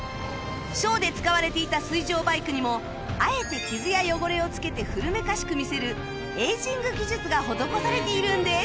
ショーで使われていた水上バイクにもあえて傷や汚れをつけて古めかしく見せるエイジング技術が施されているんです